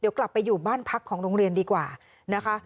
เดี๋ยวกลับไปอยู่บ้านพักของโรงเรียนดีกว่านะคะ